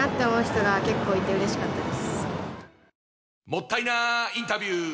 もったいなインタビュー！